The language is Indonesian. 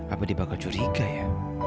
apa dia bakal curiga ya